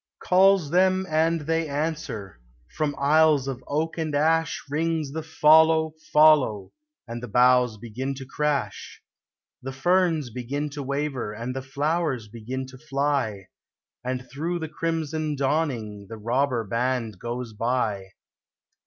183 Calls them and they answer : from aisles of oak and ash Rings the Follow J Follow/ and the boughs begin to crash ; The ferns begin to waver and the flowers begin to fly; And through the crimson dawning the robber band goes by.